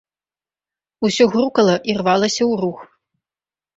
Усё грукала і рвалася ў рух.